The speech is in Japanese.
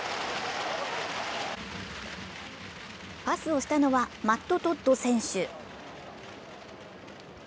パスをしたのはマット・トッド選手。